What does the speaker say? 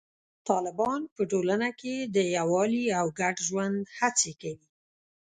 طالبان په ټولنه کې د یووالي او ګډ ژوند هڅې کوي.